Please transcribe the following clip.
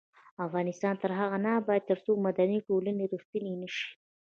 افغانستان تر هغو نه ابادیږي، ترڅو مدني ټولنې ریښتینې نشي.